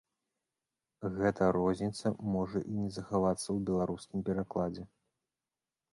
Гэта розніца можа і не захавацца ў беларускім перакладзе.